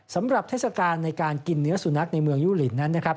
เทศกาลในการกินเนื้อสุนัขในเมืองยุลินนั้นนะครับ